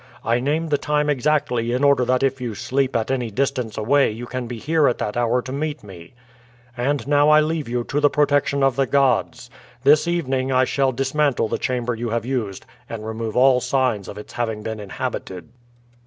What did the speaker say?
I name the time exactly in order that if you sleep at any distance away you can be here at that hour to meet me; and now I leave you to the protection of the gods. This evening I shall dismantle the chamber you have used and remove all signs of its having been inhabited."